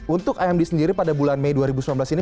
untuk imd sendiri pada bulan mei dua ribu sembilan belas ini